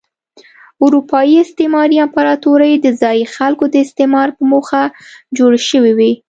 اروپايي استعماري امپراتورۍ د ځايي خلکو د استثمار په موخه جوړې شوې وې.